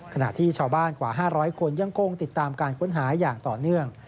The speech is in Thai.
ขณะที่ชาวบ้านกว่า๕๐๐คนยังคงติดตามการค้นหาอย่างต่อเนื่อง